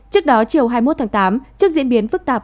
trước đó chiều hai mươi một tháng tám trước diễn biến phức tạp